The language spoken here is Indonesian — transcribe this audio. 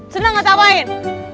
seneng gak tawain